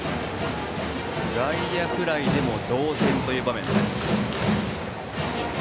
外野フライでも同点という場面。